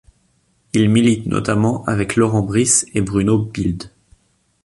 Il milite notamment avec Laurent Brice et Bruno Bilde.